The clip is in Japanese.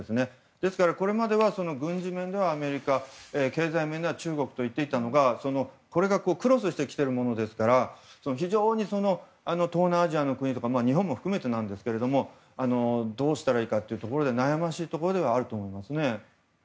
ですからこれまでは軍事面ではアメリカ経済面では中国といっていたものがこれがクロスしてきていますから非常に東南アジアの国とか日本も含めてなんですけれどもどうしたらいいかというところで悩ましいところではあると思います。